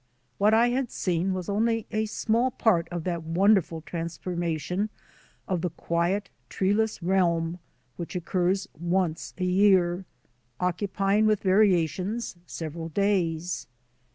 What I had seen was only a small part of that wonderful transformation of the quiet, treeless realm which occurs once a year, occupying, with variations, several days.